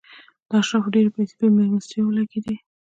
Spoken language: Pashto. د اشرافو ډېرې پیسې په مېلمستیاوو لګېدې.